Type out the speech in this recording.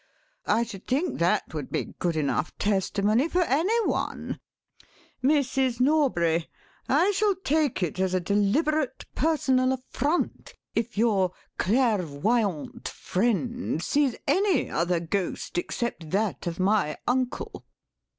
I should think that would be good enough testimony for any one. Mrs. Norbury, I shall take it as a deliberate personal affront if your clairvoyante friend sees any other ghost except that of my uncle."